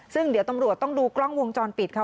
ซึ่งเดี๋ยวตำรวจต้องดูกล้องวงจรปิดค่ะ